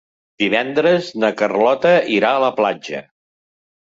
Divendres na Carlota irà a la platja.